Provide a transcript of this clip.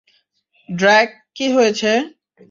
ড্রাক, কী হয়েছে?